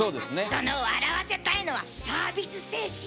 その笑わせたいのはサービス精神？